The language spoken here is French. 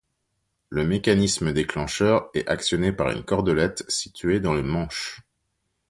Le mécanisme déclencheur est actionné par une cordelette située dans le manche.